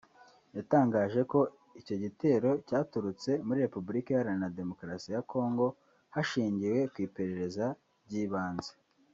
yatangaje ko icyo gitero cyaturutse muri Repubulika Iharanira Demokarasi ya Congo hashingiwe ku iperereza ry’ibanze